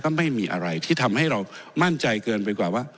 ก็ไม่มีอะไรที่ทำให้เรามั่นใจเกินไปกว่าว่า